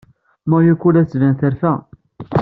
Mayuko la d-tettban terfa.